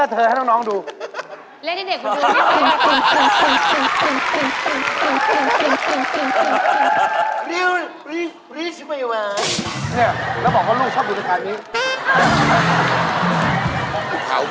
หาวมึงได้ได้นิ้งตัว